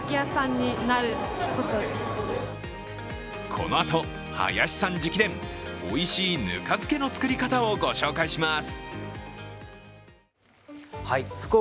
このあと林さん直伝、おいしいぬか漬けの作り方をご紹介します。